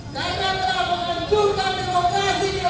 karena telah menentukan demokrasi ke texas